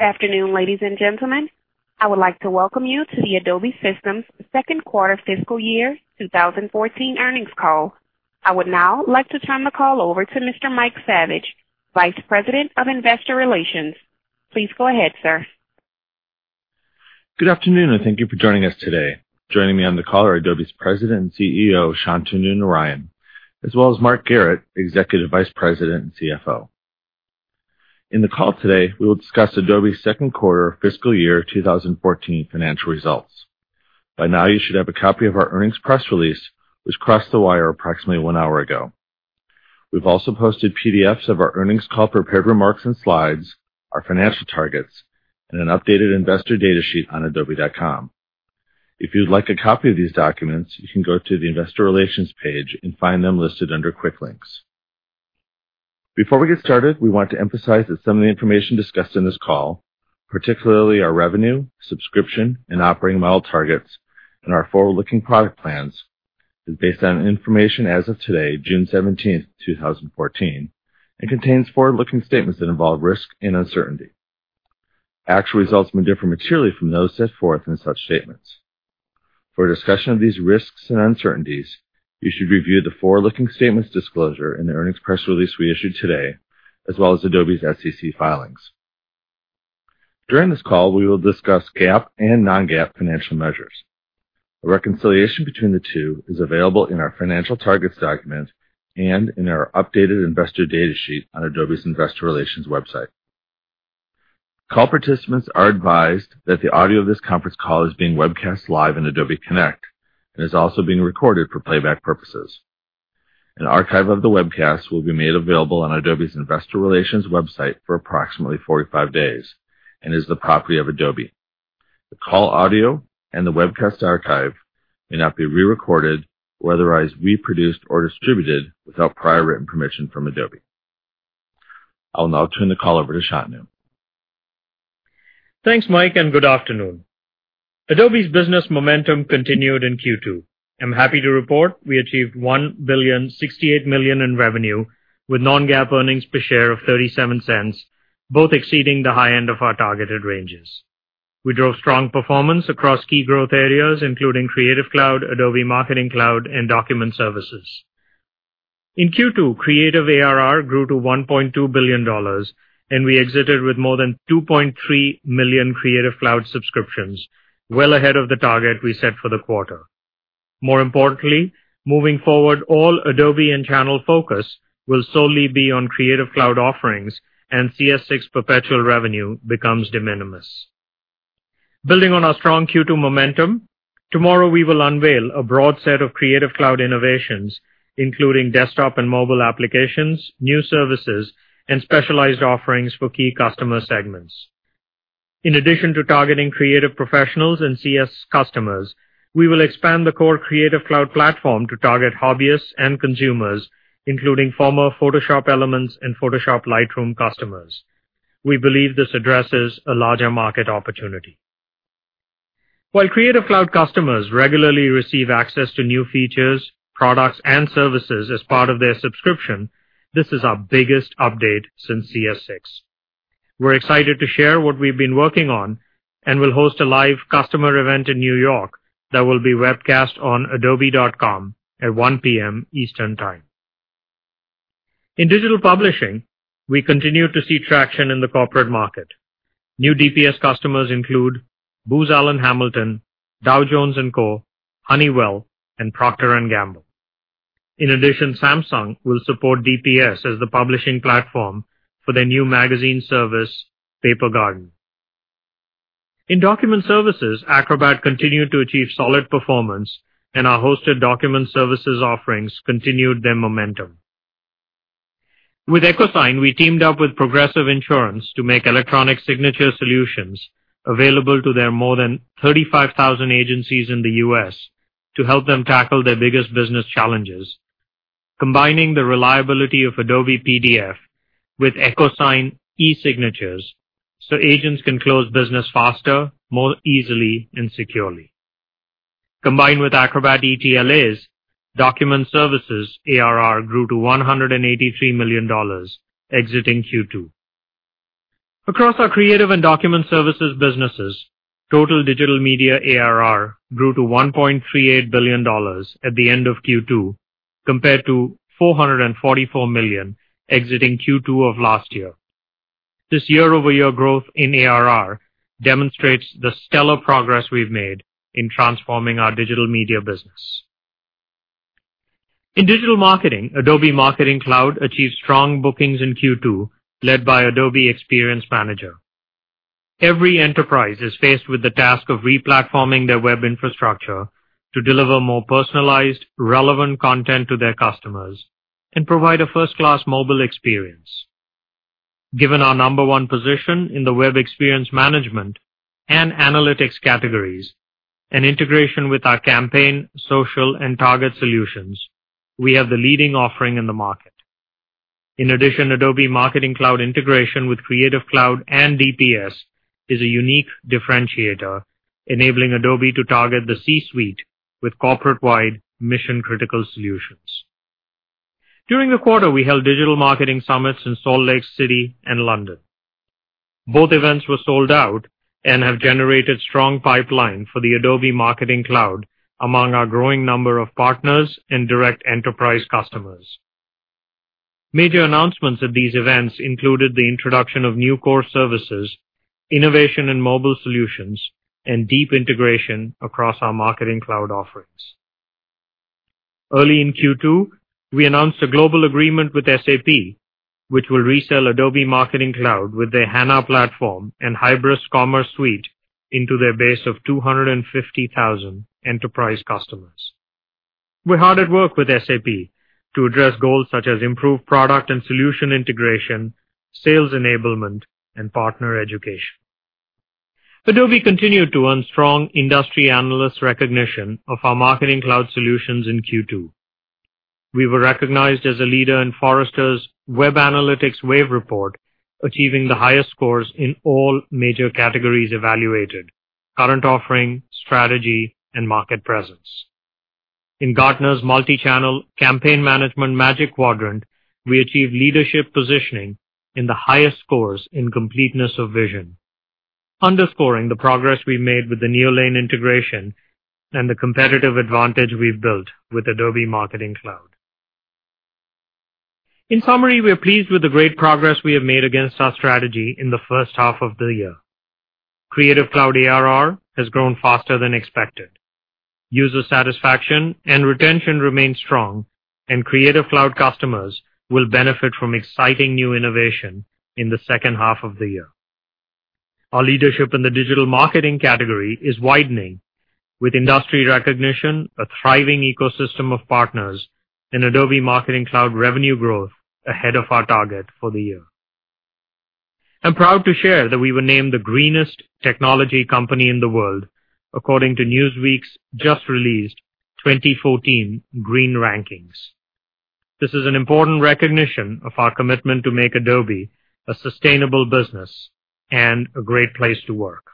Afternoon, ladies and gentlemen. I would like to welcome you to the Adobe Systems second quarter fiscal year 2014 earnings call. I would now like to turn the call over to Mr. Mike Saviage, vice president of investor relations. Please go ahead, sir. Good afternoon. Thank you for joining us today. Joining me on the call are Adobe's President and CEO, Shantanu Narayen, as well as Mark Garrett, Executive Vice President and CFO. In the call today, we will discuss Adobe's second quarter fiscal year 2014 financial results. By now, you should have a copy of our earnings press release, which crossed the wire approximately one hour ago. We've also posted PDFs of our earnings call, prepared remarks and slides, our financial targets, and an updated investor data sheet on adobe.com. If you'd like a copy of these documents, you can go to the investor relations page and find them listed under quick links. Before we get started, we want to emphasize that some of the information discussed in this call, particularly our revenue, subscription, and operating model targets and our forward-looking product plans, is based on information as of today, June 17th, 2014, and contains forward-looking statements that involve risk and uncertainty. Actual results may differ materially from those set forth in such statements. For a discussion of these risks and uncertainties, you should review the forward-looking statements disclosure in the earnings press release we issued today, as well as Adobe's SEC filings. During this call, we will discuss GAAP and non-GAAP financial measures. A reconciliation between the two is available in our financial targets document and in our updated investor data sheet on Adobe's investor relations website. Call participants are advised that the audio of this conference call is being webcast live on Adobe Connect and is also being recorded for playback purposes. An archive of the webcast will be made available on Adobe's investor relations website for approximately 45 days and is the property of Adobe. The call audio and the webcast archive may not be re-recorded or otherwise reproduced or distributed without prior written permission from Adobe. I will now turn the call over to Shantanu. Thanks, Mike, and good afternoon. Adobe's business momentum continued in Q2. I'm happy to report we achieved $1.068 billion in revenue with non-GAAP earnings per share of $0.37, both exceeding the high end of our targeted ranges. We drove strong performance across key growth areas, including Creative Cloud, Adobe Marketing Cloud, and Document Services. In Q2, Creative ARR grew to $1.2 billion, and we exited with more than 2.3 million Creative Cloud subscriptions, well ahead of the target we set for the quarter. More importantly, moving forward, all Adobe and channel focus will solely be on Creative Cloud offerings and CS6 perpetual revenue becomes de minimis. Building on our strong Q2 momentum, tomorrow we will unveil a broad set of Creative Cloud innovations, including desktop and mobile applications, new services, and specialized offerings for key customer segments. In addition to targeting creative professionals and CS customers, we will expand the core Creative Cloud platform to target hobbyists and consumers, including former Photoshop Elements and Photoshop Lightroom customers. We believe this addresses a larger market opportunity. While Creative Cloud customers regularly receive access to new features, products, and services as part of their subscription, this is our biggest update since CS6. We're excited to share what we've been working on and will host a live customer event in N.Y. that will be webcast on adobe.com at 1:00 P.M. Eastern time. In digital publishing, we continue to see traction in the corporate market. New DPS customers include Booz Allen Hamilton, Dow Jones & Co., Honeywell, and Procter & Gamble. In addition, Samsung will support DPS as the publishing platform for their new magazine service, Papergarden. In Document Services, Acrobat continued to achieve solid performance, and our hosted Document Services offerings continued their momentum. With EchoSign, we teamed up with Progressive Insurance to make electronic signature solutions available to their more than 35,000 agencies in the U.S. to help them tackle their biggest business challenges, combining the reliability of Adobe PDF with EchoSign e-signatures so agents can close business faster, more easily, and securely. Combined with Acrobat ETLAs, Document Services ARR grew to $183 million exiting Q2. Across our creative and Document Services businesses, total Digital Media ARR grew to $1.38 billion at the end of Q2, compared to $444 million exiting Q2 of last year. This year-over-year growth in ARR demonstrates the stellar progress we've made in transforming our Digital Media business. In Digital Marketing, Adobe Marketing Cloud achieved strong bookings in Q2, led by Adobe Experience Manager. Every enterprise is faced with the task of replatforming their web infrastructure to deliver more personalized, relevant content to their customers and provide a first-class mobile experience. Given our number one position in the web experience management and analytics categories and integration with our campaign, social, and target solutions, we have the leading offering in the market. In addition, Adobe Marketing Cloud integration with Creative Cloud and DPS is a unique differentiator, enabling Adobe to target the C-suite with corporate-wide mission critical solutions. During the quarter, we held Digital Marketing summits in Salt Lake City and London. Both events were sold out and have generated strong pipeline for the Adobe Marketing Cloud among our growing number of partners and direct enterprise customers. Major announcements at these events included the introduction of new core services, innovation in mobile solutions, and deep integration across our Marketing Cloud offerings. Early in Q2, we announced a global agreement with SAP, which will resell Adobe Marketing Cloud with their HANA platform and Hybris Commerce Suite into their base of 250,000 enterprise customers. We're hard at work with SAP to address goals such as improved product and solution integration, sales enablement, and partner education. Adobe continued to earn strong industry analyst recognition of our Marketing Cloud solutions in Q2. We were recognized as a leader in Forrester Wave: Web Analytics report, achieving the highest scores in all major categories evaluated: current offering, strategy, and market presence. In Gartner Magic Quadrant for Multichannel Campaign Management, we achieved leadership positioning in the highest scores in completeness of vision, underscoring the progress we've made with the Neolane integration and the competitive advantage we've built with Adobe Marketing Cloud. In summary, we are pleased with the great progress we have made against our strategy in the first half of the year. Creative Cloud ARR has grown faster than expected. User satisfaction and retention remain strong, and Creative Cloud customers will benefit from exciting new innovation in the second half of the year. Our leadership in the digital marketing category is widening with industry recognition, a thriving ecosystem of partners, and Adobe Marketing Cloud revenue growth ahead of our target for the year. I'm proud to share that we were named the greenest technology company in the world, according to Newsweek's just-released 2014 green rankings. This is an important recognition of our commitment to make Adobe a sustainable business and a great place to work.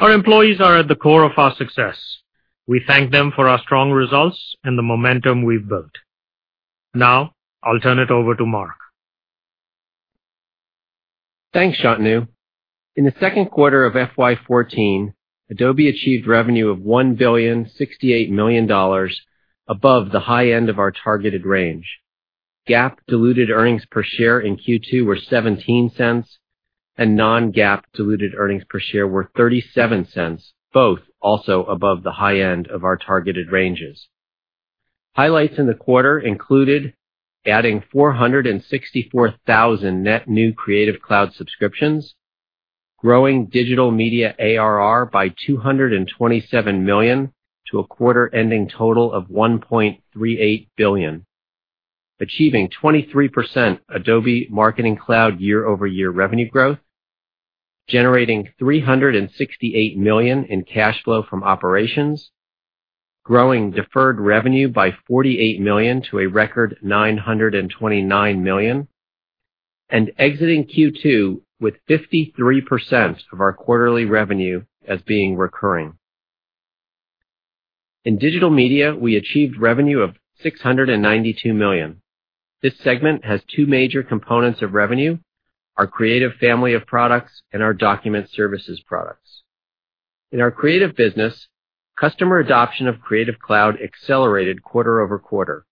Our employees are at the core of our success. We thank them for our strong results and the momentum we've built. I'll turn it over to Mark. Thanks, Shantanu. In the second quarter of FY 2014, Adobe achieved revenue of $1,068,000,000 above the high end of our targeted range. GAAP diluted earnings per share in Q2 were $0.17, and non-GAAP diluted earnings per share were $0.37, both also above the high end of our targeted ranges. Highlights in the quarter included adding 464,000 net new Creative Cloud subscriptions, growing Digital Media ARR by $227 million to a quarter-ending total of $1.38 billion, achieving 23% Adobe Marketing Cloud year-over-year revenue growth, generating $368 million in cash flow from operations, growing deferred revenue by $48 million to a record $929 million, and exiting Q2 with 53% of our quarterly revenue as being recurring. In digital media, we achieved revenue of $692 million. This segment has two major components of revenue: our Creative family of products and our Adobe Document Services products. In our Creative business, customer adoption of Creative Cloud accelerated quarter-over-quarter.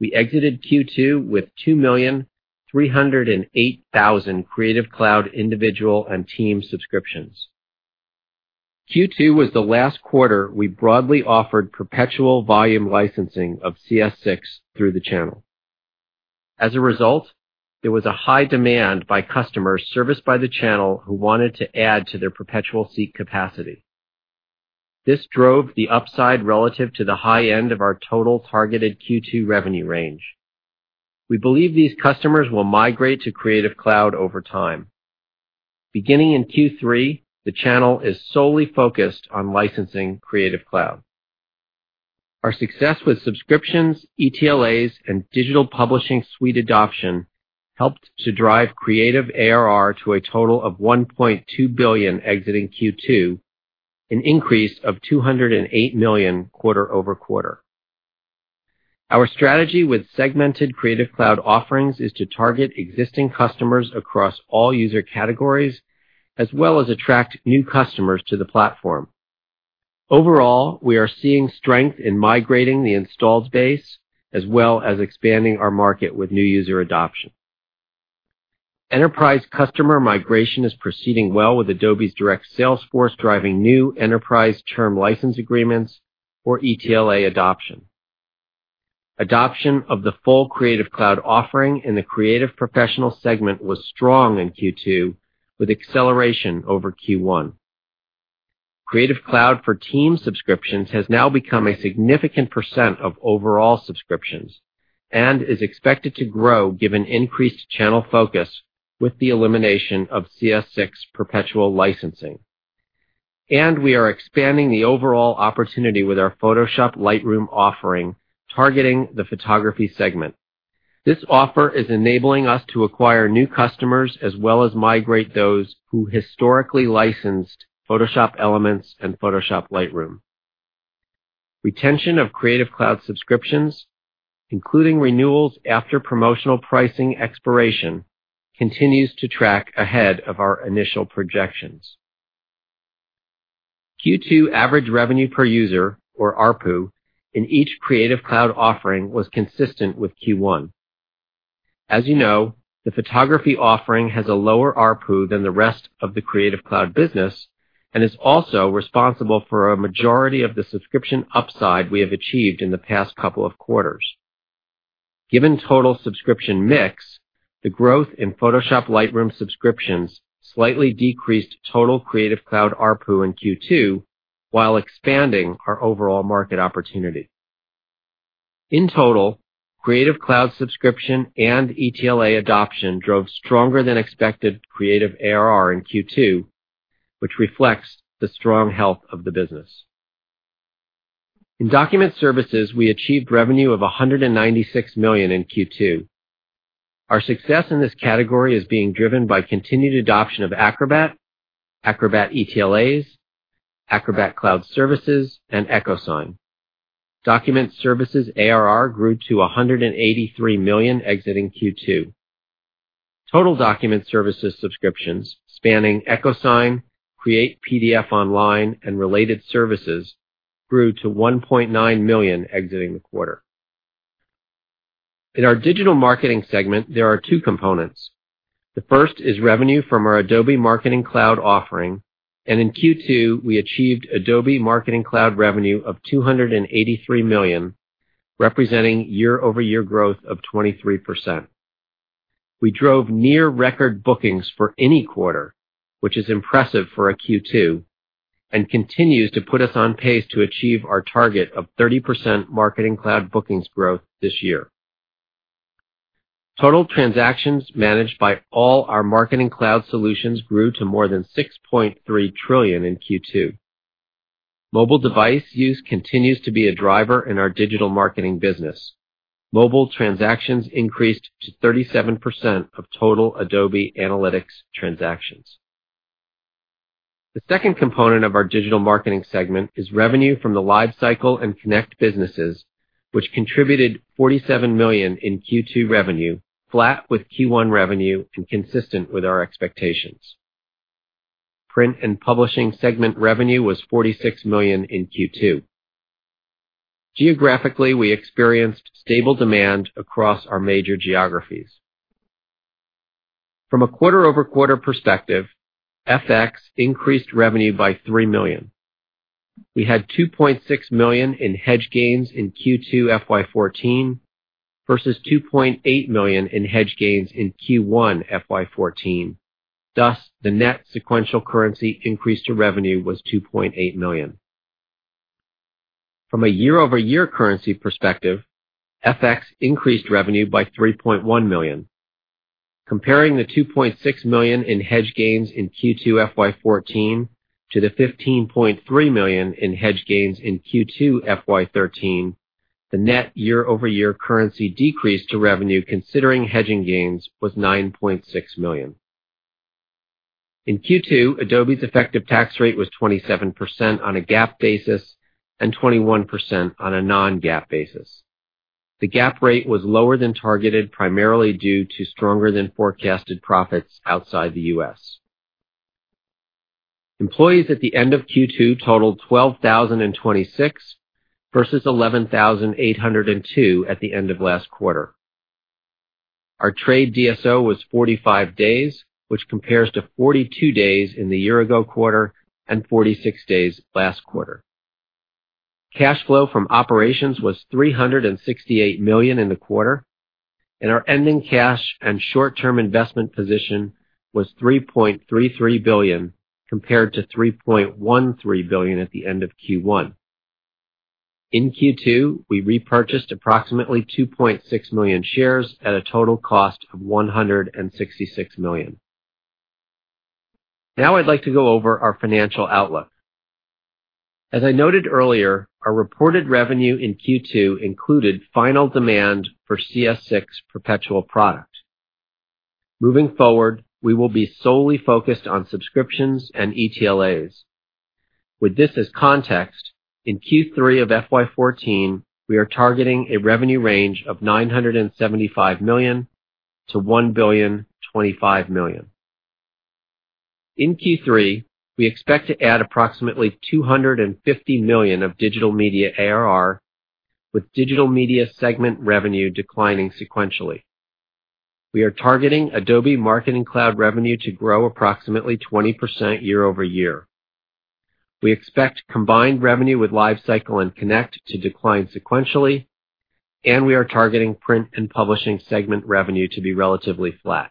We exited Q2 with 2,308,000 Creative Cloud individual and team subscriptions. Q2 was the last quarter we broadly offered perpetual volume licensing of CS6 through the channel. As a result, there was a high demand by customers serviced by the channel who wanted to add to their perpetual seat capacity. This drove the upside relative to the high end of our total targeted Q2 revenue range. We believe these customers will migrate to Creative Cloud over time. Beginning in Q3, the channel is solely focused on licensing Creative Cloud. Our success with subscriptions, ETLAs, and Digital Publishing Suite adoption helped to drive creative ARR to a total of $1.2 billion exiting Q2, an increase of $208 million quarter-over-quarter. Our strategy with segmented Creative Cloud offerings is to target existing customers across all user categories, as well as attract new customers to the platform. Overall, we are seeing strength in migrating the installed base, as well as expanding our market with new user adoption. Enterprise customer migration is proceeding well with Adobe's direct sales force driving new enterprise term license agreements or ETLA adoption. Adoption of the full Creative Cloud offering in the Creative Professional segment was strong in Q2, with acceleration over Q1. Creative Cloud for teams subscriptions has now become a significant % of overall subscriptions and is expected to grow given increased channel focus with the elimination of CS6 perpetual licensing. We are expanding the overall opportunity with our Photoshop Lightroom offering, targeting the photography segment. This offer is enabling us to acquire new customers as well as migrate those who historically licensed Photoshop Elements and Photoshop Lightroom. Retention of Creative Cloud subscriptions, including renewals after promotional pricing expiration, continues to track ahead of our initial projections. Q2 average revenue per user, or ARPU, in each Creative Cloud offering was consistent with Q1. As you know, the photography offering has a lower ARPU than the rest of the Creative Cloud business and is also responsible for a majority of the subscription upside we have achieved in the past couple of quarters. Given total subscription mix, the growth in Photoshop Lightroom subscriptions slightly decreased total Creative Cloud ARPU in Q2 while expanding our overall market opportunity. In total, Creative Cloud subscription and ETLA adoption drove stronger than expected creative ARR in Q2, which reflects the strong health of the business. In Document Services, we achieved revenue of $196 million in Q2. Our success in this category is being driven by continued adoption of Acrobat ETLAs, Acrobat Cloud Services, and EchoSign. Document Services ARR grew to $183 million exiting Q2. Total Document Services subscriptions spanning EchoSign, Create PDF Online, and related services grew to 1.9 million exiting the quarter. In our Digital Marketing segment, there are two components. The first is revenue from our Adobe Marketing Cloud offering. In Q2, we achieved Adobe Marketing Cloud revenue of $283 million, representing year-over-year growth of 23%. We drove near record bookings for any quarter, which is impressive for a Q2, and continues to put us on pace to achieve our target of 30% Marketing Cloud bookings growth this year. Total transactions managed by all our Marketing Cloud solutions grew to more than 6.3 trillion in Q2. Mobile device use continues to be a driver in our Digital Marketing business. Mobile transactions increased to 37% of total Adobe Analytics transactions. The second component of our Digital Marketing segment is revenue from the LiveCycle and Connect businesses, which contributed $47 million in Q2 revenue, flat with Q1 revenue and consistent with our expectations. Print and Publishing segment revenue was $46 million in Q2. Geographically, we experienced stable demand across our major geographies. From a quarter-over-quarter perspective, FX increased revenue by $3 million. We had $2.6 million in hedge gains in Q2 FY 2014 versus $2.8 million in hedge gains in Q1 FY 2014. The net sequential currency increase to revenue was $2.8 million. From a year-over-year currency perspective, FX increased revenue by $3.1 million. Comparing the $2.6 million in hedge gains in Q2 FY 2014 to the $15.3 million in hedge gains in Q2 FY 2013, the net year-over-year currency decrease to revenue considering hedging gains was $9.6 million. In Q2, Adobe's effective tax rate was 27% on a GAAP basis and 21% on a non-GAAP basis. The GAAP rate was lower than targeted, primarily due to stronger than forecasted profits outside the U.S. Employees at the end of Q2 totaled 12,026 versus 11,802 at the end of last quarter. Our trade DSO was 45 days, which compares to 42 days in the year-ago quarter and 46 days last quarter. Cash flow from operations was $368 million in the quarter, and our ending cash and short-term investment position was $3.33 billion, compared to $3.13 billion at the end of Q1. In Q2, we repurchased approximately 2.6 million shares at a total cost of $166 million. I'd like to go over our financial outlook. As I noted earlier, our reported revenue in Q2 included final demand for CS6 perpetual product. Moving forward, we will be solely focused on subscriptions and ETLAs. With this as context, in Q3 of FY 2014, we are targeting a revenue range of $975 million-$1.025 billion. In Q3, we expect to add approximately $250 million of Digital Media ARR with Digital Media segment revenue declining sequentially. We are targeting Adobe Marketing Cloud revenue to grow approximately 20% year-over-year. We expect combined revenue with LiveCycle and Connect to decline sequentially, and we are targeting Print and Publishing segment revenue to be relatively flat.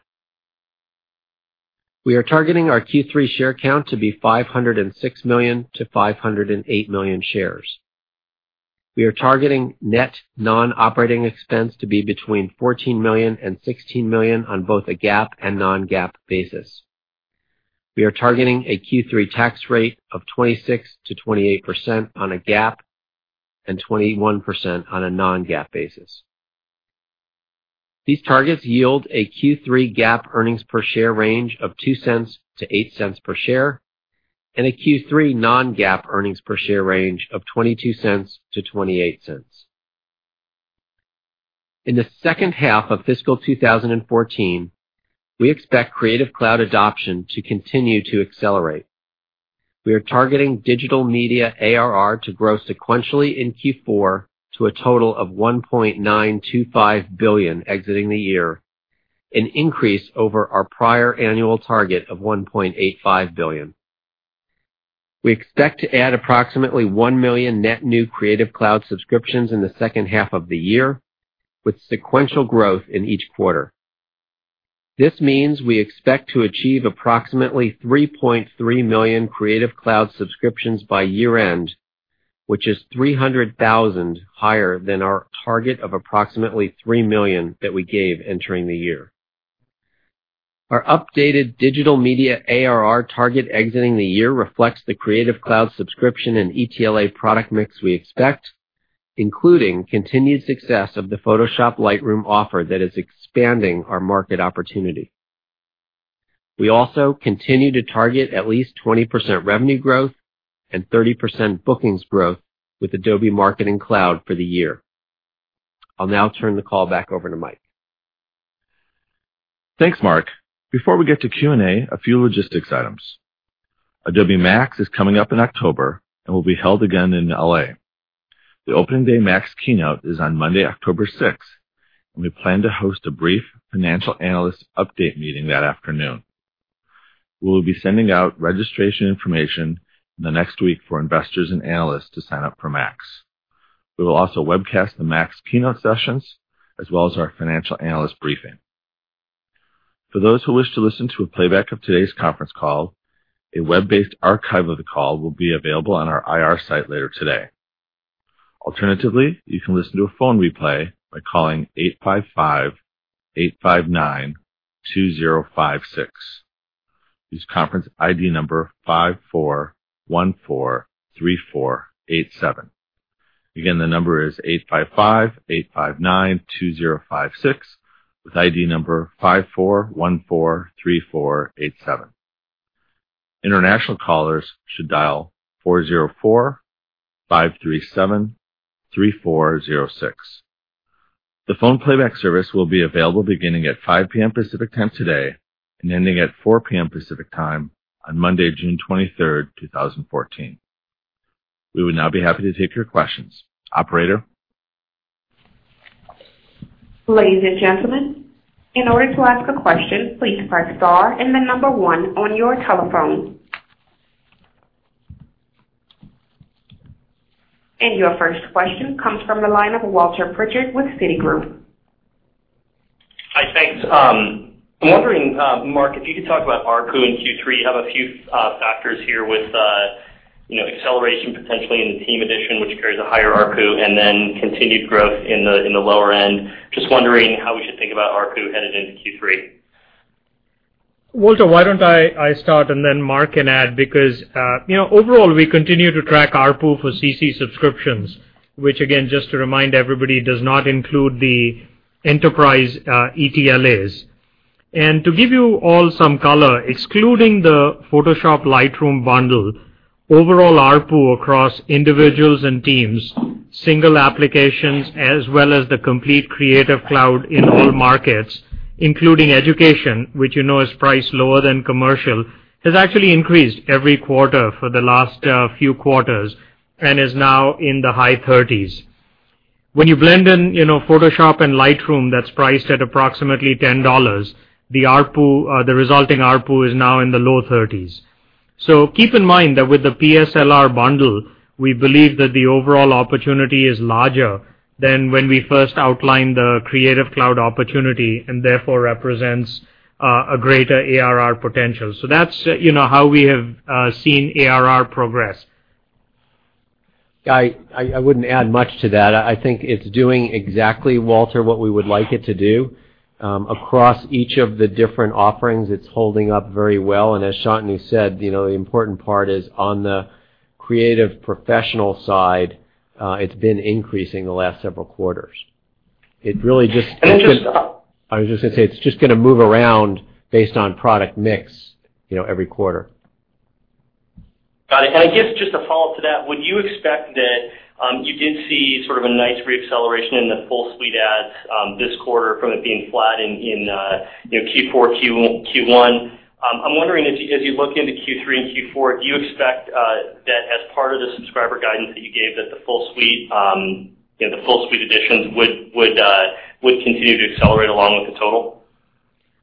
We are targeting our Q3 share count to be 506 million-508 million shares. We are targeting net non-operating expense to be between $14 million-$16 million on both a GAAP and non-GAAP basis. We are targeting a Q3 tax rate of 26%-28% on a GAAP and 21% on a non-GAAP basis. These targets yield a Q3 GAAP earnings per share range of $0.02-$0.08 per share and a Q3 non-GAAP earnings per share range of $0.22-$0.28. In the second half of fiscal 2014, we expect Creative Cloud adoption to continue to accelerate. We are targeting Digital Media ARR to grow sequentially in Q4 to a total of $1.925 billion exiting the year, an increase over our prior annual target of $1.85 billion. We expect to add approximately 1 million net new Creative Cloud subscriptions in the second half of the year, with sequential growth in each quarter. This means we expect to achieve approximately 3.3 million Creative Cloud subscriptions by year-end, which is 300,000 higher than our target of approximately 3 million that we gave entering the year. Our updated Digital Media ARR target exiting the year reflects the Creative Cloud subscription and ETLA product mix we expect, including continued success of the Photoshop Lightroom offer that is expanding our market opportunity. We also continue to target at least 20% revenue growth and 30% bookings growth with Adobe Marketing Cloud for the year. I'll now turn the call back over to Mike. Thanks, Mark. Before we get to Q&A, a few logistics items. Adobe MAX is coming up in October and will be held again in L.A. The opening day MAX keynote is on Monday, October 6, we plan to host a brief financial analyst update meeting that afternoon. We will be sending out registration information in the next week for investors and analysts to sign up for MAX. We will also webcast the MAX keynote sessions, as well as our financial analyst briefing. For those who wish to listen to a playback of today's conference call, a web-based archive of the call will be available on our IR site later today. Alternatively, you can listen to a phone replay by calling 855-859-2056. Use conference ID number 54143487. Again, the number is 855-859-2056 with ID number 54143487. International callers should dial 404-537-3406. The phone playback service will be available beginning at 5:00 P.M. Pacific Time today and ending at 4:00 P.M. Pacific Time on Monday, June 23, 2014. We would now be happy to take your questions. Operator? Ladies and gentlemen, in order to ask a question, please press star and the number one on your telephone. Your first question comes from the line of Walter Pritchard with Citigroup. Hi, thanks. I'm wondering, Mark, if you could talk about ARPU in Q3. You have a few factors here with acceleration potentially in the team edition, which carries a higher ARPU, and then continued growth in the lower end. Just wondering how we should think about ARPU headed into Q3. Walter, why don't I start and then Mark can add, because overall, we continue to track ARPU for CC subscriptions, which again, just to remind everybody, does not include the enterprise ETLAs. To give you all some color, excluding the Photoshop Lightroom bundle, overall ARPU across individuals and teams, single applications, as well as the complete Creative Cloud in all markets, including education, which you know is priced lower than commercial, has actually increased every quarter for the last few quarters and is now in the high 30s. When you blend in Photoshop and Lightroom, that's priced at approximately $10, the resulting ARPU is now in the low 30s. Keep in mind that with the PSLR bundle, we believe that the overall opportunity is larger than when we first outlined the Creative Cloud opportunity and therefore represents a greater ARR potential. That's how we have seen ARR progress. I wouldn't add much to that. I think it's doing exactly, Walter, what we would like it to do. Across each of the different offerings, it's holding up very well. As Shantanu said, the important part is on the creative professional side, it's been increasing the last several quarters. And then just- I was just going to say, it's just going to move around based on product mix every quarter. Got it. I guess just a follow-up to that, would you expect that you did see sort of a nice re-acceleration in the full suite adds this quarter from it being flat in Q4, Q1. I'm wondering as you look into Q3 and Q4, do you expect that as part of the subscriber guidance that you gave, that the full suite additions would continue to accelerate along with the total?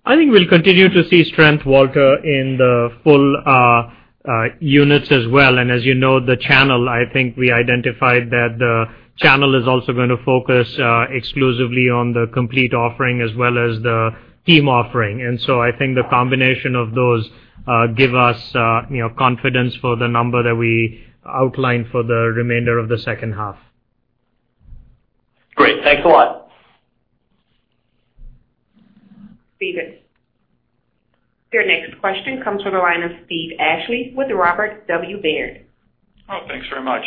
I think we'll continue to see strength, Walter, in the full units as well. As you know, the channel, I think we identified that the channel is also going to focus exclusively on the complete offering as well as the team offering. I think the combination of those give us confidence for the number that we outlined for the remainder of the second half. Great. Thanks a lot. Your next question comes from the line of Steve Ashley with Robert W. Baird. Thanks very much.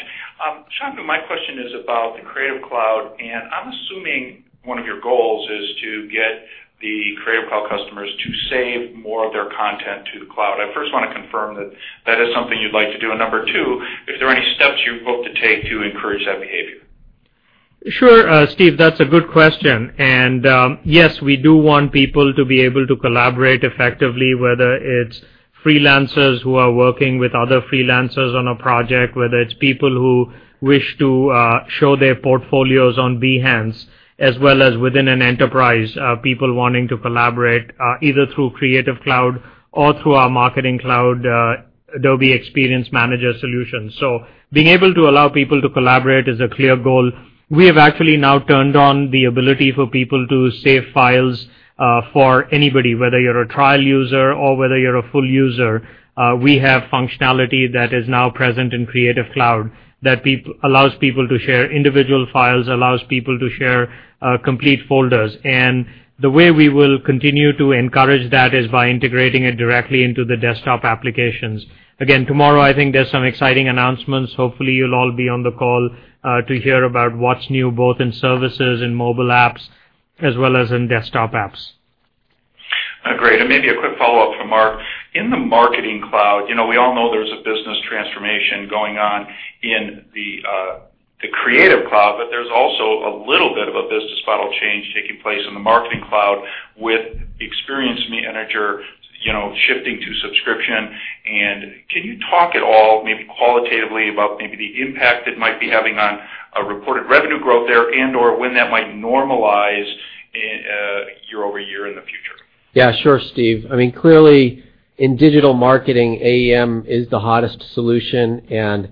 Shantanu, my question is about the Creative Cloud. I'm assuming one of your goals is to get the Creative Cloud customers to save more of their content to the cloud. I first want to confirm that that is something you'd like to do. Number 2, if there are any steps you hope to take to encourage that behavior? Sure. Steve, that's a good question. Yes, we do want people to be able to collaborate effectively, whether it's freelancers who are working with other freelancers on a project, whether it's people who wish to show their portfolios on Behance, as well as within an enterprise people wanting to collaborate, either through Creative Cloud or through our Marketing Cloud, Adobe Experience Manager solution. Being able to allow people to collaborate is a clear goal. We have actually now turned on the ability for people to save files for anybody, whether you're a trial user or whether you're a full user. We have functionality that is now present in Creative Cloud that allows people to share individual files, allows people to share complete folders. The way we will continue to encourage that is by integrating it directly into the desktop applications. Tomorrow, I think there's some exciting announcements. Hopefully, you'll all be on the call to hear about what's new, both in services, in mobile apps, as well as in desktop apps. Great. Maybe a quick follow-up from Mark. In the Adobe Marketing Cloud, we all know there's a business transformation going on in the Creative Cloud, there's also a little bit of a business model change taking place in the Adobe Marketing Cloud with Adobe Experience Manager shifting to subscription. Can you talk at all maybe qualitatively about maybe the impact it might be having on a reported revenue growth there and/or when that might normalize year-over-year in the future? Sure, Steve. Clearly in digital marketing, AEM is the hottest solution, and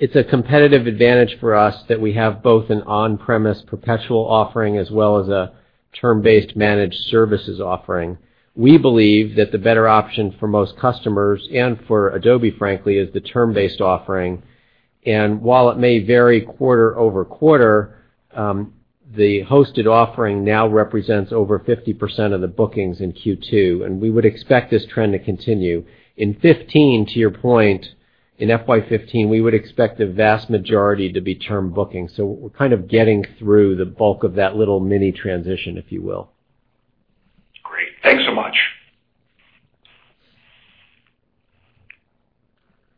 it's a competitive advantage for us that we have both an on-premise perpetual offering as well as a term-based managed services offering. We believe that the better option for most customers, and for Adobe, frankly, is the term-based offering. While it may vary quarter-over-quarter, the hosted offering now represents over 50% of the bookings in Q2, we would expect this trend to continue. In 2015, to your point, in FY 2015, we would expect the vast majority to be term booking, we're kind of getting through the bulk of that little mini transition, if you will. Great. Thanks so much.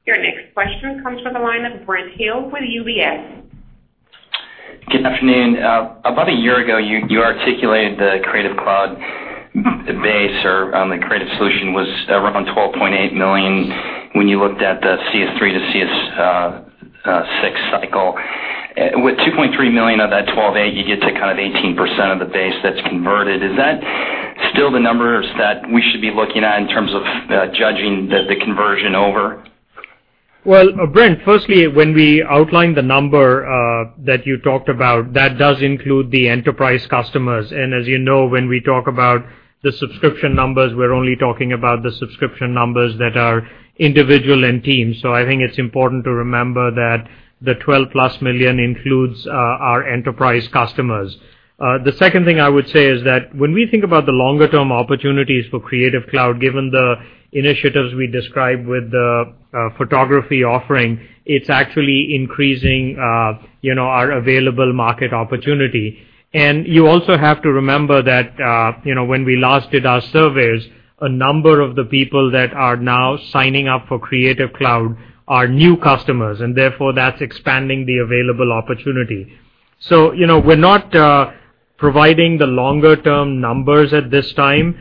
Your next question comes from the line of Brent Thill with UBS. Good afternoon. About a year ago, you articulated the Creative Cloud base or the creative solution was around $12.8 million when you looked at the CS3 to CS6 cycle. With $2.3 million of that $12.8, you get to kind of 18% of the base that's converted. Is that still the numbers that we should be looking at in terms of judging the conversion over? Well, Brent, firstly, when we outlined the number that you talked about, that does include the enterprise customers. As you know, when we talk about the subscription numbers, we're only talking about the subscription numbers that are individual and team. I think it's important to remember that the $12-plus million includes our enterprise customers. The second thing I would say is that when we think about the longer-term opportunities for Creative Cloud, given the initiatives we described with the photography offering, it's actually increasing our available market opportunity. You also have to remember that when we last did our surveys, a number of the people that are now signing up for Creative Cloud are new customers, and therefore that's expanding the available opportunity. We're not providing the longer-term numbers at this time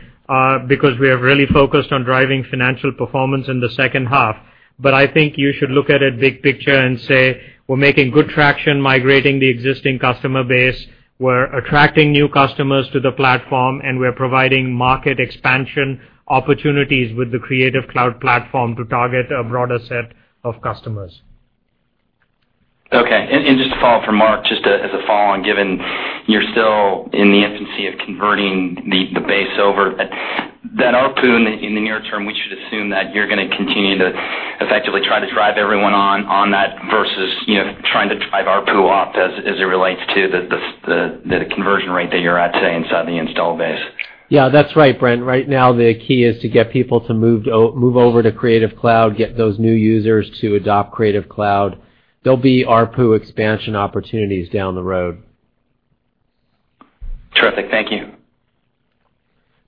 because we are really focused on driving financial performance in the second half. I think you should look at it big picture and say, we're making good traction migrating the existing customer base, we're attracting new customers to the platform, and we're providing market expansion opportunities with the Creative Cloud platform to target a broader set of customers. Okay. Just to follow up for Mark, just as a follow-on, given you're still in the infancy of converting the base over, that ARPU in the near term, we should assume that you're going to continue to effectively try to drive everyone on that versus trying to drive ARPU up as it relates to the conversion rate that you're at today inside the installed base. Yeah, that's right, Brent. Right now, the key is to get people to move over to Creative Cloud, get those new users to adopt Creative Cloud. There'll be ARPU expansion opportunities down the road. Terrific. Thank you.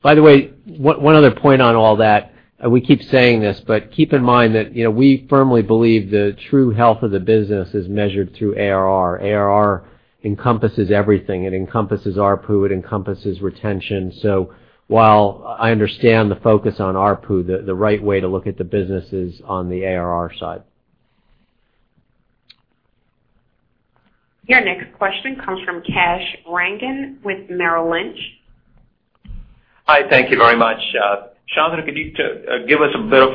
By the way, one other point on all that, we keep saying this, but keep in mind that we firmly believe the true health of the business is measured through ARR. ARR encompasses everything. It encompasses ARPU. It encompasses retention. While I understand the focus on ARPU, the right way to look at the business is on the ARR side. Your next question comes from Kash Rangan with Merrill Lynch. Hi, thank you very much. Shantanu, could you give us a bit of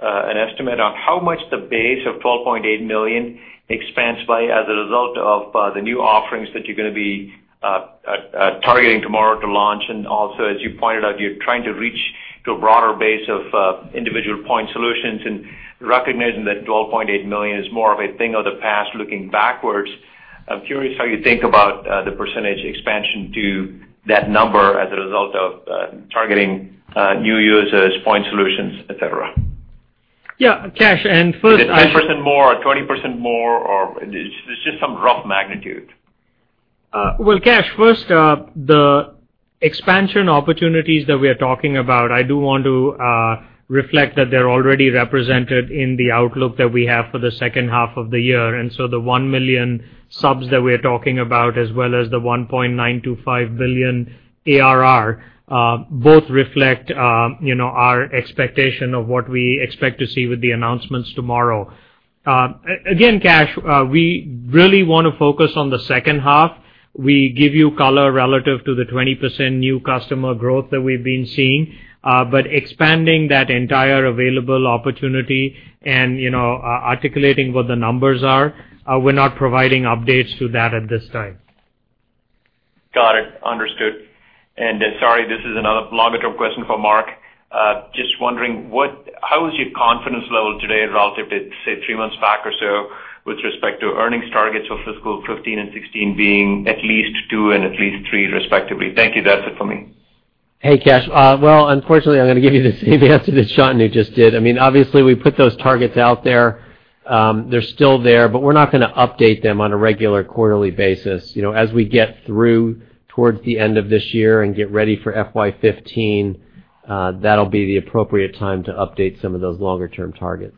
an estimate on how much the base of $12.8 million expands by as a result of the new offerings that you're going to be targeting tomorrow to launch? Also, as you pointed out, you're trying to reach to a broader base of individual point solutions and recognizing that $12.8 million is more of a thing of the past looking backwards. I'm curious how you think about the % expansion to that number as a result of targeting new users, point solutions, et cetera. Yeah, Kash. Is it 10% more or 20% more, or just some rough magnitude? Well, Kash, first, the expansion opportunities that we are talking about, I do want to reflect that they're already represented in the outlook that we have for the second half of the year. The 1 million subs that we're talking about, as well as the $1.925 billion ARR, both reflect our expectation of what we expect to see with the announcements tomorrow. Again, Kash, we really want to focus on the second half. We give you color relative to the 20% new customer growth that we've been seeing. Expanding that entire available opportunity and articulating what the numbers are, we're not providing updates to that at this time. Got it. Understood. Sorry, this is another longer-term question for Mark. Just wondering, how is your confidence level today relative to, say, three months back or so with respect to earnings targets for fiscal 2015 and 2016 being at least two and at least three, respectively? Thank you. That's it for me. Hey, Kash. Well, unfortunately, I'm going to give you the same answer that Shantanu just did. Obviously, we put those targets out there. They're still there, but we're not going to update them on a regular quarterly basis. As we get through towards the end of this year and get ready for FY 2015, that'll be the appropriate time to update some of those longer-term targets.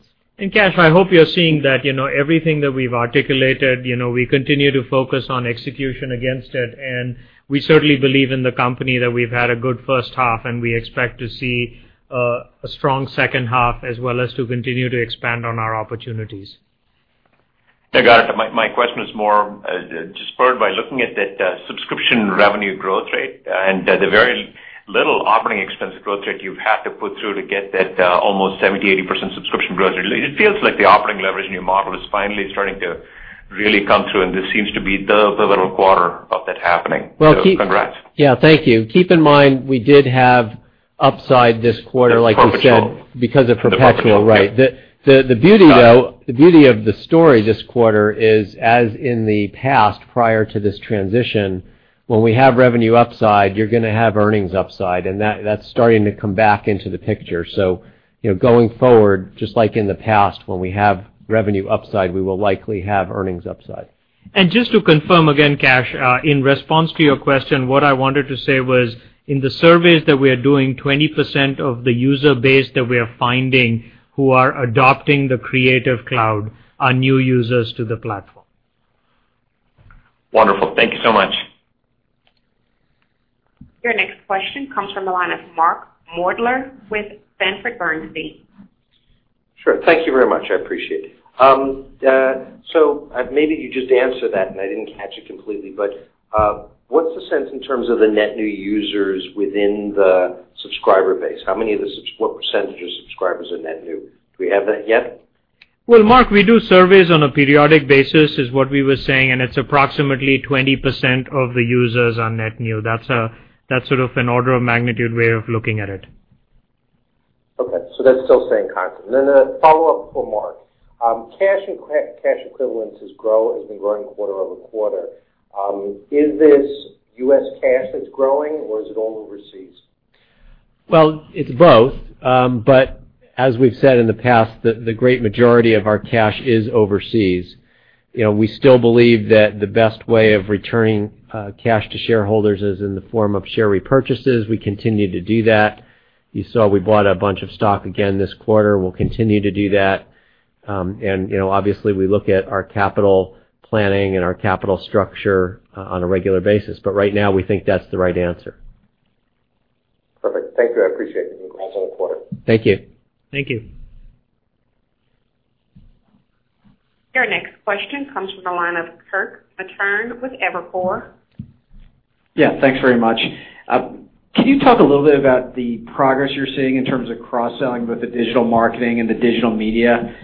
Kash, I hope you're seeing that everything that we've articulated, we continue to focus on execution against it, and we certainly believe in the company that we've had a good first half, and we expect to see a strong second half as well as to continue to expand on our opportunities. Yeah, got it. My question is more just spurred by looking at that subscription revenue growth rate and the very little operating expense growth rate you've had to put through to get that almost 70%-80% subscription growth rate. It feels like the operating leverage in your model is finally starting to really come through. This seems to be the pivotal quarter of that happening. Well. Congrats. Yeah, thank you. Keep in mind, we did have upside this quarter- The profit slope. like you said. The profit slope. Right. Got it. The beauty of the story this quarter is, as in the past, prior to this transition, when we have revenue upside, you're going to have earnings upside, and that's starting to come back into the picture. Going forward, just like in the past, when we have revenue upside, we will likely have earnings upside. Just to confirm again, Kash, in response to your question, what I wanted to say was, in the surveys that we are doing, 20% of the user base that we are finding who are adopting the Creative Cloud are new users to the platform. Wonderful. Thank you so much. Your next question comes from the line of Mark Moerdler with Sanford C. Bernstein. Thank you very much. I appreciate it. Maybe you just answered that, and I didn't catch it completely, but what's the sense in terms of the net new users within the subscriber base? What percentage of subscribers are net new? Do we have that yet? Well, Mark, we do surveys on a periodic basis, is what we were saying, and it's approximately 20% of the users are net new. That's sort of an order of magnitude way of looking at it. That's still staying constant. A follow-up for Mark. Cash equivalents has been growing quarter-over-quarter. Is this U.S. cash that's growing, or is it all overseas? Well, it's both. As we've said in the past, the great majority of our cash is overseas. We still believe that the best way of returning cash to shareholders is in the form of share repurchases. We continue to do that. You saw we bought a bunch of stock again this quarter. We'll continue to do that. Obviously, we look at our capital planning and our capital structure on a regular basis, but right now, we think that's the right answer. Perfect. Thank you. I appreciate it. Congrats on the quarter. Thank you. Thank you. Your next question comes from the line of Kirk Materne with Evercore. Yeah. Thanks very much. Can you talk a little bit about the progress you're seeing in terms of cross-selling with the digital marketing and the digital media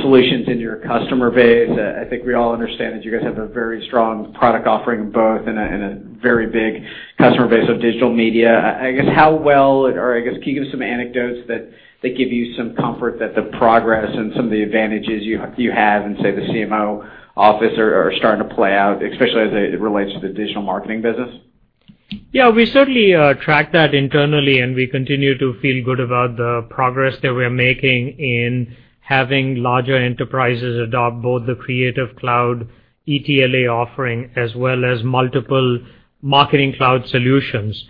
solutions in your customer base? I think we all understand that you guys have a very strong product offering both and a very big customer base of digital media. I guess, how well, or can you give some anecdotes that give you some comfort that the progress and some of the advantages you have in, say, the CMO office are starting to play out, especially as it relates to the digital marketing business? Yeah, we certainly track that internally, and we continue to feel good about the progress that we are making in having larger enterprises adopt both the Creative Cloud ETLA offering as well as multiple Marketing Cloud solutions.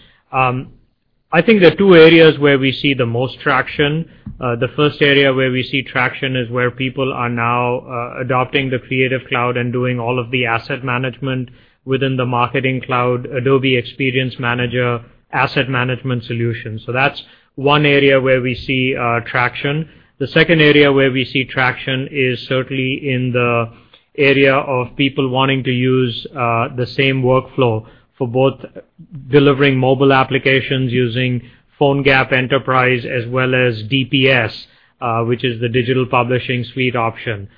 I think there are two areas where we see the most traction. The first area where we see traction is where people are now adopting the Creative Cloud and doing all of the asset management within the Marketing Cloud, Adobe Experience Manager Asset Management solution. That's one area where we see traction. The second area where we see traction is certainly in the area of people wanting to use the same workflow for both delivering mobile applications using PhoneGap Enterprise as well as DPS, which is the Digital Publishing Suite option.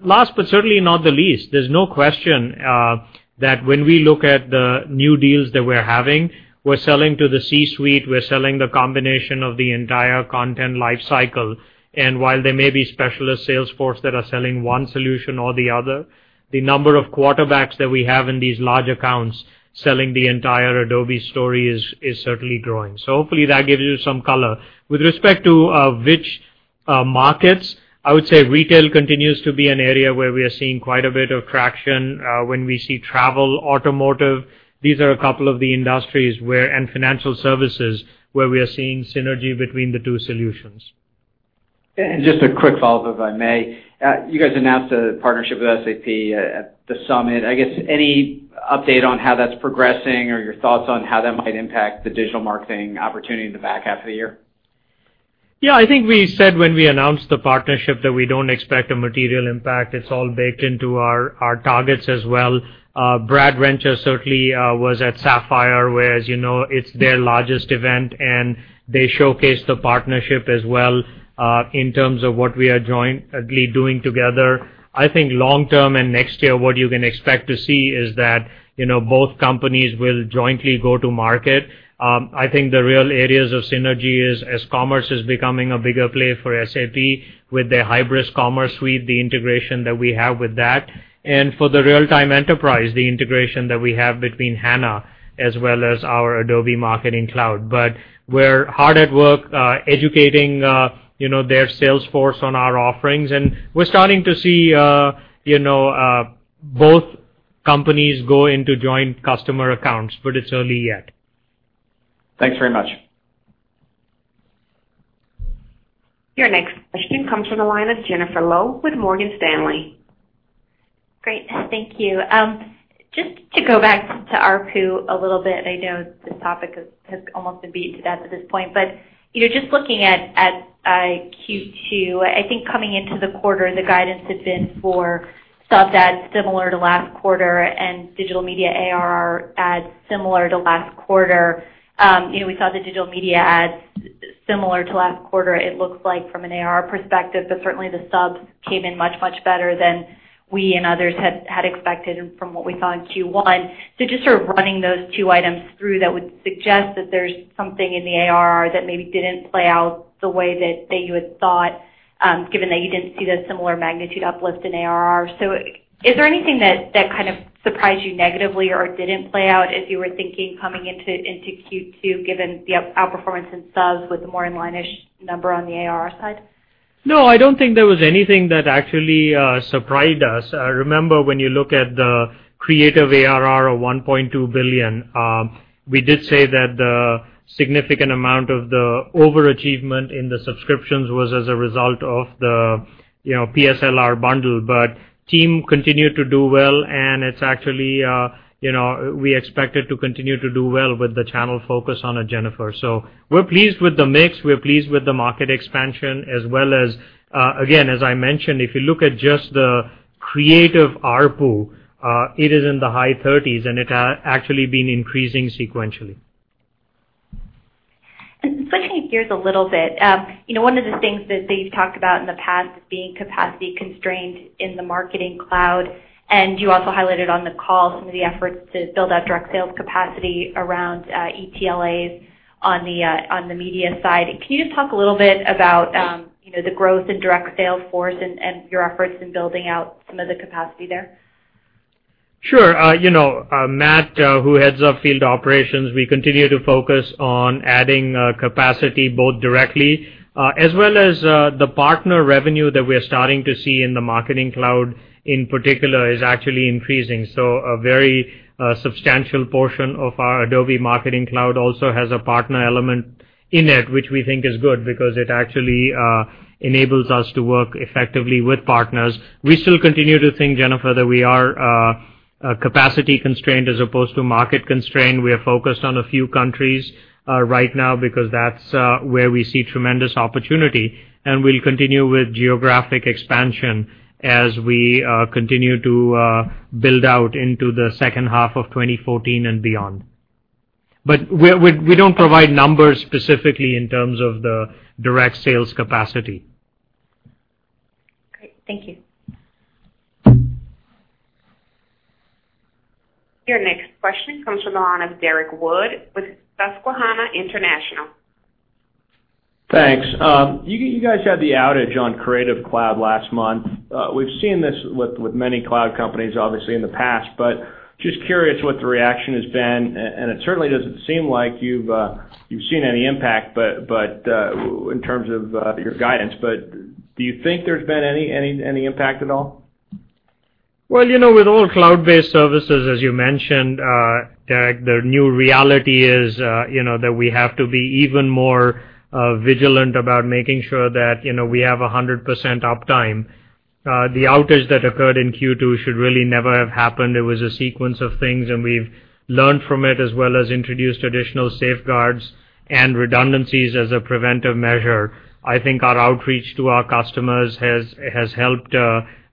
Last, but certainly not the least, there's no question that when we look at the new deals that we're having, we're selling to the C-suite, we're selling the combination of the entire content life cycle. While there may be specialist salesforce that are selling one solution or the other, the number of quarterbacks that we have in these large accounts selling the entire Adobe story is certainly growing. Hopefully, that gives you some color. With respect to Markets, I would say retail continues to be an area where we are seeing quite a bit of traction. When we see travel, automotive, these are a couple of the industries where, and financial services, where we are seeing synergy between the two solutions. Just a quick follow-up, if I may. You guys announced a partnership with SAP at the summit. I guess any update on how that's progressing or your thoughts on how that might impact the digital marketing opportunity in the back half of the year? Yeah, I think we said when we announced the partnership that we don't expect a material impact. It's all baked into our targets as well. Brad Rencher certainly was at Sapphire, where as you know, it's their largest event, and they showcased the partnership as well, in terms of what we are jointly doing together. I think long term and next year, what you can expect to see is that both companies will jointly go to market. I think the real areas of synergy is as commerce is becoming a bigger play for SAP with their Hybris Commerce suite, the integration that we have with that. For the real-time enterprise, the integration that we have between HANA as well as our Adobe Marketing Cloud. We're hard at work educating their sales force on our offerings, and we're starting to see both companies go into joint customer accounts, but it's early yet. Thanks very much. Your next question comes from the line of Jennifer Lowe with Morgan Stanley. Great. Thank you. Just to go back to ARPU a little bit, I know this topic has almost been beat to death at this point. Just looking at Q2, I think coming into the quarter, the guidance had been for subs adds similar to last quarter and Digital Media ARR adds similar to last quarter. We saw the Digital Media adds similar to last quarter, it looks like, from an ARR perspective, but certainly the subs came in much, much better than we and others had expected and from what we saw in Q1. Just sort of running those two items through, that would suggest that there's something in the ARR that maybe didn't play out the way that you had thought, given that you didn't see the similar magnitude uplift in ARR. Is there anything that kind of surprised you negatively or didn't play out as you were thinking coming into Q2, given the outperformance in subs with the more in line-ish number on the ARR side? No, I don't think there was anything that actually surprised us. Remember, when you look at the Creative ARR of $1.2 billion, we did say that the significant amount of the overachievement in the subscriptions was as a result of the PSLR bundle. Team continued to do well, and it's actually, we expect it to continue to do well with the channel focus on it, Jennifer. We're pleased with the mix, we're pleased with the market expansion, as well as, again, as I mentioned, if you look at just the Creative ARPU, it is in the high 30s, and it has actually been increasing sequentially. Switching gears a little bit. One of the things that you've talked about in the past is being capacity constrained in the Marketing Cloud, and you also highlighted on the call some of the efforts to build out direct sales capacity around ETLAs on the media side. Can you just talk a little bit about the growth in direct sales force and your efforts in building out some of the capacity there? Sure. Matt, who heads up field operations, we continue to focus on adding capacity both directly as well as the partner revenue that we are starting to see in the Marketing Cloud in particular is actually increasing. A very substantial portion of our Adobe Marketing Cloud also has a partner element in it, which we think is good because it actually enables us to work effectively with partners. We still continue to think, Jennifer, that we are capacity constrained as opposed to market constrained. We are focused on a few countries right now because that's where we see tremendous opportunity, and we'll continue with geographic expansion as we continue to build out into the second half of 2014 and beyond. We don't provide numbers specifically in terms of the direct sales capacity. Great. Thank you. Your next question comes from the line of Derrick Wood with Susquehanna International. Thanks. You guys had the outage on Creative Cloud last month. We've seen this with many cloud companies, obviously, in the past, but just curious what the reaction has been. It certainly doesn't seem like you've seen any impact, but in terms of your guidance. Do you think there's been any impact at all? Well, with all cloud-based services, as you mentioned, Derek, the new reality is that we have to be even more vigilant about making sure that we have 100% uptime. The outage that occurred in Q2 should really never have happened. It was a sequence of things, and we've learned from it, as well as introduced additional safeguards and redundancies as a preventive measure. I think our outreach to our customers has helped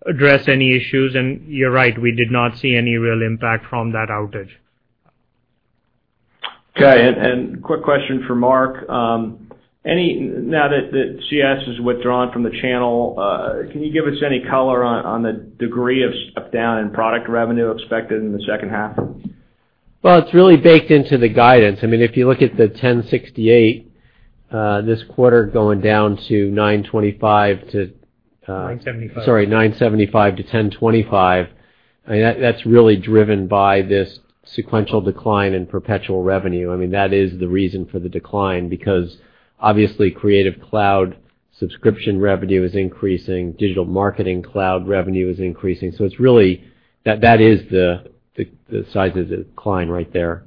address any issues. You're right, we did not see any real impact from that outage. Okay, quick question for Mark. Now that CS has withdrawn from the channel, can you give us any color on the degree of step-down in product revenue expected in the second half? Well, it's really baked into the guidance. I mean, if you look at the $1,068 this quarter going down. $975. Sorry, $975-$1,025. That's really driven by this sequential decline in perpetual revenue. That is the reason for the decline, because obviously Creative Cloud subscription revenue is increasing, Digital Marketing Cloud revenue is increasing. That is the size of the decline right there.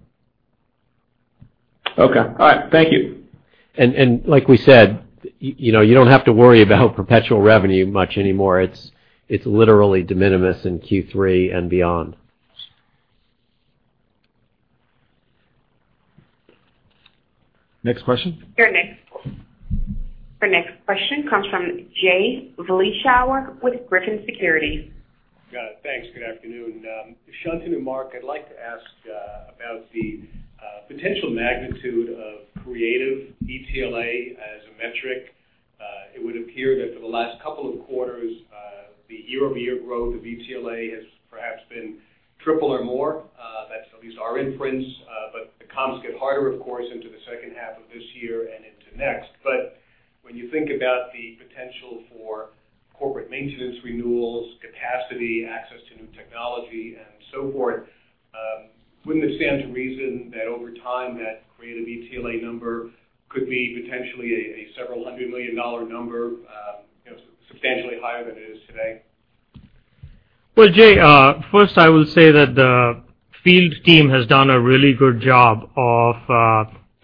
Okay. All right. Thank you. Like we said, you don't have to worry about perpetual revenue much anymore. It's literally de minimis in Q3 and beyond. Next question. Your next question comes from Jay Vleeschhouwer with Griffin Securities. Got it. Thanks. Good afternoon. Shantanu, Mark, I'd like to ask about the potential magnitude of Creative ETLA as a metric. It would appear that for the last couple of quarters, the year-over-year growth of ETLA has perhaps been triple or more. That's at least our inference. The comps get harder, of course, into the second half of this year and into next. When you think about the potential for corporate maintenance renewals, capacity, access to new technology, and so forth, wouldn't it stand to reason that over time that Creative ETLA number could be potentially a several hundred million dollar number, substantially higher than it is today? Well, Jay, first I will say that the field team has done a really good job of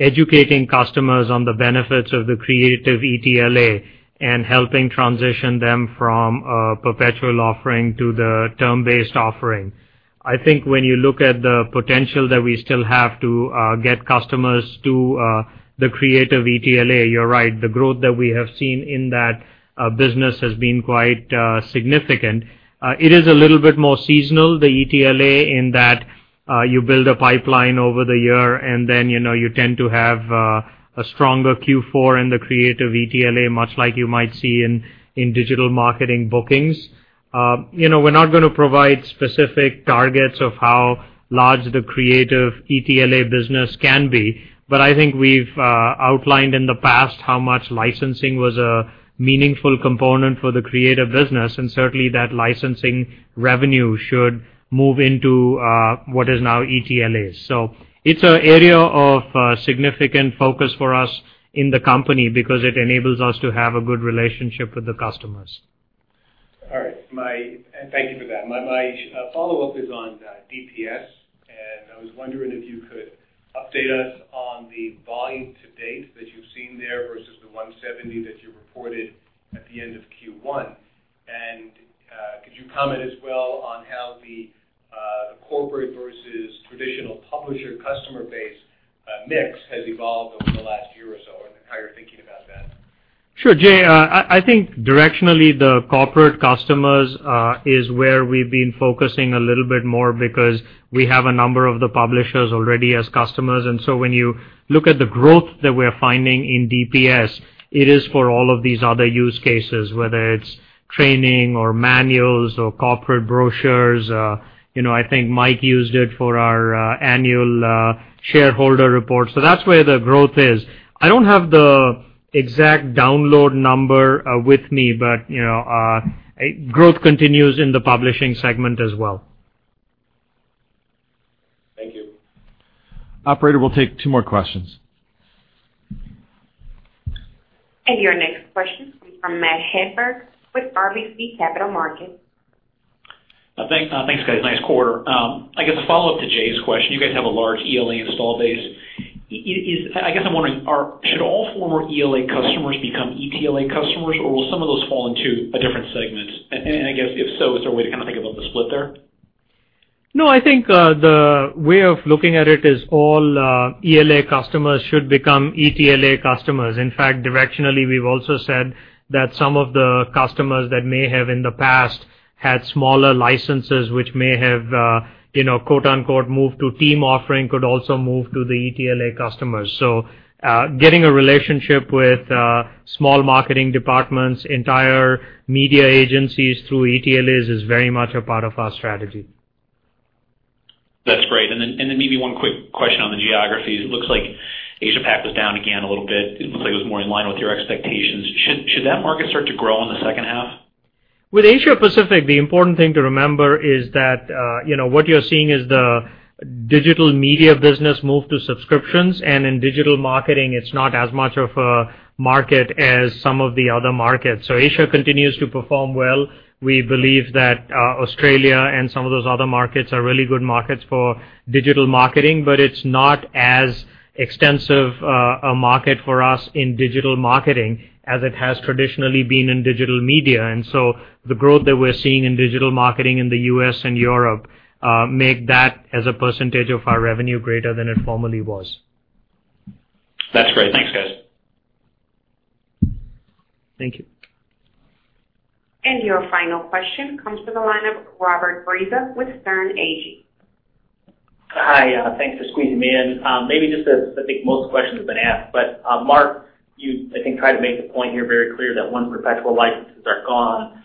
educating customers on the benefits of the Creative ETLA and helping transition them from a perpetual offering to the term-based offering. I think when you look at the potential that we still have to get customers to the Creative ETLA, you're right, the growth that we have seen in that business has been quite significant. It is a little bit more seasonal, the ETLA, in that you build a pipeline over the year, and then you tend to have a stronger Q4 in the Creative ETLA, much like you might see in digital marketing bookings. We're not going to provide specific targets of how large the Creative ETLA business can be. I think we've outlined in the past how much licensing was a meaningful component for the creative business, and certainly that licensing revenue should move into what is now ETLAs. It's an area of significant focus for us in the company because it enables us to have a good relationship with the customers. All right. Thank you for that. My follow-up is on DPS. I was wondering if you could update us on the volume to date that you've seen there versus the 170 that you reported at the end of Q1. Could you comment as well on how the corporate versus traditional publisher customer base mix has evolved over the last year or so, and how you're thinking about that? Sure, Jay. I think directionally the corporate customers is where we've been focusing a little bit more because we have a number of the publishers already as customers. When you look at the growth that we're finding in DPS, it is for all of these other use cases, whether it's training or manuals or corporate brochures. I think Mike used it for our annual shareholder report. That's where the growth is. I don't have the exact download number with me, but growth continues in the publishing segment as well. Thank you. Operator, we'll take two more questions. Your next question comes from Matt Hedberg with RBC Capital Markets. Thanks, guys. Nice quarter. I guess a follow-up to Jay's question. You guys have a large ELA install base. I guess I'm wondering, should all former ELA customers become ETLA customers, or will some of those fall into a different segment? I guess, if so, is there a way to think about the split there? No, I think the way of looking at it is all ELA customers should become ETLA customers. In fact, directionally, we've also said that some of the customers that may have in the past had smaller licenses which may have quote, unquote, moved to team offering, could also move to the ETLA customers. Getting a relationship with small marketing departments, entire media agencies through ETLAs is very much a part of our strategy. That's great. Then maybe one quick question on the geographies. It looks like Asia Pac was down again a little bit. It looks like it was more in line with your expectations. Should that market start to grow in the second half? With Asia Pacific, the important thing to remember is that what you're seeing is the digital media business move to subscriptions, in digital marketing, it's not as much of a market as some of the other markets. Asia continues to perform well. We believe that Australia and some of those other markets are really good markets for digital marketing, but it's not as extensive a market for us in digital marketing as it has traditionally been in digital media. The growth that we're seeing in digital marketing in the U.S. and Europe make that, as a percentage of our revenue, greater than it formerly was. That's great. Thanks, guys. Thank you. Your final question comes from the line of Robert Breza with Sterne, Agee. Hi, thanks for squeezing me in. Maybe just, I think most questions have been asked, but Mark, you, I think, tried to make the point here very clear that once perpetual licenses are gone,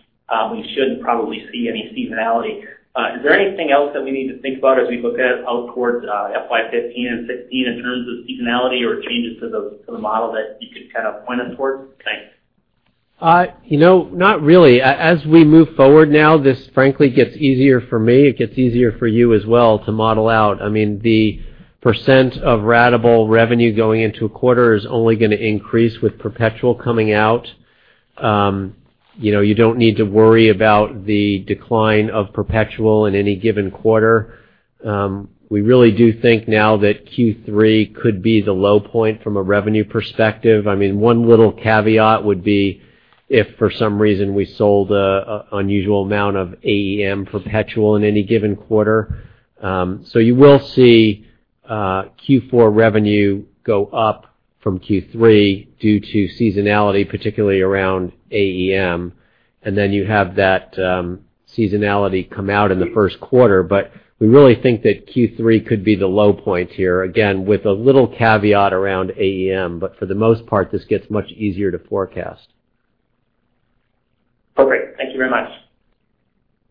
we shouldn't probably see any seasonality. Is there anything else that we need to think about as we look out towards FY 2015 and 2016 in terms of seasonality or changes to the model that you could point us towards? Thanks. Not really. As we move forward now, this frankly gets easier for me. It gets easier for you as well to model out. The % of ratable revenue going into a quarter is only going to increase with perpetual coming out. You don't need to worry about the decline of perpetual in any given quarter. We really do think now that Q3 could be the low point from a revenue perspective. One little caveat would be if for some reason we sold an unusual amount of AEM perpetual in any given quarter. You will see Q4 revenue go up from Q3 due to seasonality, particularly around AEM, and then you have that seasonality come out in the first quarter. We really think that Q3 could be the low point here. Again, with a little caveat around AEM, for the most part, this gets much easier to forecast. Okay. Thank you very much.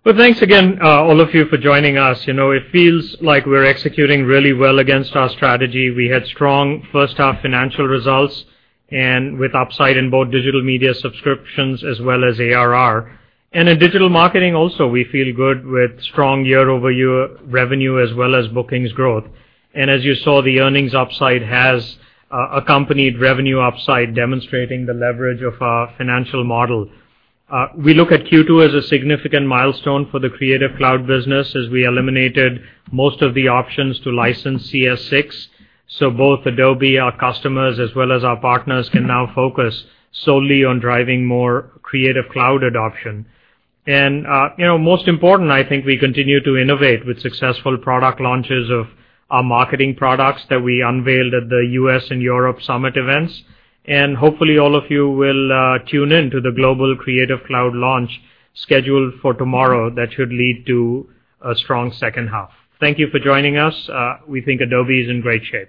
Well, thanks again all of you for joining us. It feels like we're executing really well against our strategy. We had strong first-half financial results, with upside in both Digital Media subscriptions as well as ARR. In Digital Marketing also, we feel good with strong year-over-year revenue as well as bookings growth. As you saw, the earnings upside has accompanied revenue upside, demonstrating the leverage of our financial model. We look at Q2 as a significant milestone for the Creative Cloud business as we eliminated most of the options to license CS6. Both Adobe, our customers, as well as our partners can now focus solely on driving more Creative Cloud adoption. Most important, I think we continue to innovate with successful product launches of our marketing products that we unveiled at the U.S. and Europe Summit events. Hopefully, all of you will tune in to the global Creative Cloud launch scheduled for tomorrow, that should lead to a strong second half. Thank you for joining us. We think Adobe is in great shape.